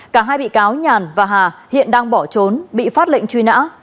cả hai bị cáo nhàn và hà hiện đang bỏ trốn bị phát lệnh truy nã